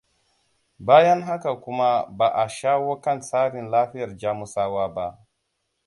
Bayan haka kuma ba a shawo kan tsarin lafiyar Jamusawa ba.